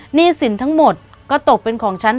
หนี้สินทั้งหมดก็ตกเป็นของฉัน